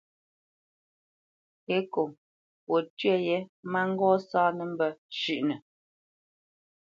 Ekô fwo tyə yě má ŋgó sáánə̄ mbə́ shʉ́ʼnə.